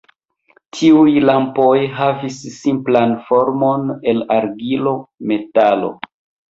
Tiuj lampoj havis simplan formon el argilo, metalo.